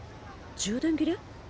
充電切れ？